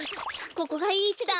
ここがいいいちだ。